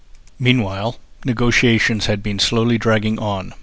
Meanwhile negotiations had been slowly dragging on.